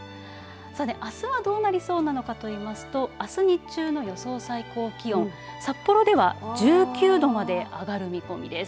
さて、あすはどうなりそうなのかといいますとあす日中の予想最高気温、札幌では１９度まで上がる見込みです。